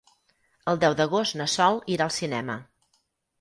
El deu d'agost na Sol irà al cinema.